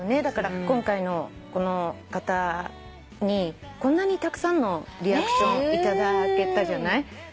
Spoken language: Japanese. だから今回のこの方にこんなにたくさんのリアクション頂けたじゃない？